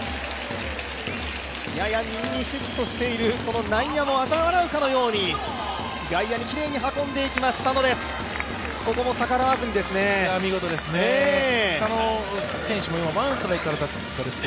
やや右にシフトしている内野をあざ笑うかのように外野にきれいに運んでいきます、佐野です。